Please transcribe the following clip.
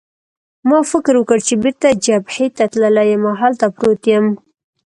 ما فکر وکړ چې بېرته جبهې ته تللی یم او هلته پروت یم.